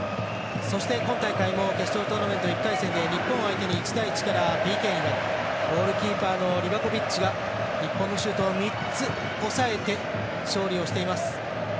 そして今大会も日本相手に１対１からＰＫになってゴールキーパーのリバコビッチが日本のシュートを３つおさえて勝利をしています。